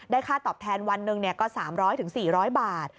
ได้ค่าตอบแทนวันหนึ่งเนี่ยก็๓๐๐๔๐๐บาท